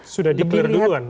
sudah di clear duluan